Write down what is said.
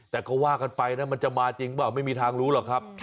แต่ก็ว่ากันไปนะมันจะมาจริงเปล่าไม่มีทางรู้หรอกครับ